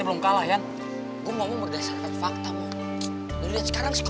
aduh mana tenaganya nih